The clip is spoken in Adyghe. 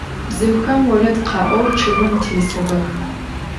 Bzıuxem vored kha'ou ççıgım têsığex.